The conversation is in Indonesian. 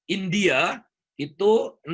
india itu enam tujuh ratus tiga puluh tujuh